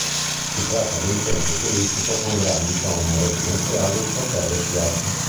Si tratta di un centro turistico con grandi zone residenziali, hotel e spiagge.